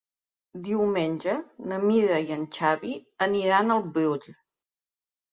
Diumenge na Mira i en Xavi aniran al Brull.